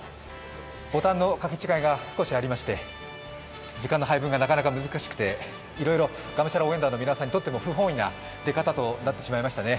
ボタンの掛け違いが少しありまして時間の配分がなかなか難しくて我武者羅應援團の皆さんにとっても不本意な出方となってしまいましたね。